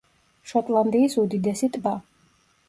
შოტლანდიის უდიდესი ტბა.